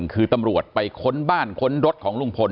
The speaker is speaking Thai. คือตำรวจไปค้นบ้านค้นรถของลุงพล